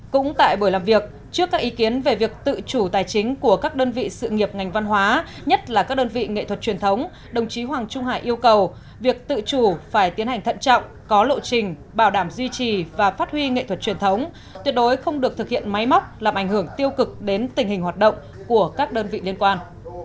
cũng tại buổi làm việc trước các ý kiến về việc tự chủ tài chính của các đơn vị sự nghiệp ngành văn hóa nhất là các đơn vị nghệ thuật truyền thống đồng chí hoàng trung hải yêu cầu việc tự chủ phải tiến hành thận trọng có lộ trình bảo đảm duy trì và phát huy nghệ thuật truyền thống tuyệt đối không được thực hiện máy móc làm ảnh hưởng tiêu cực đến tình hình hoạt động của các đơn vị liên quan